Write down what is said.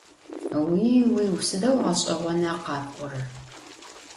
Vui - vuiu! Sıdeu ğeş'eğona khap'orer!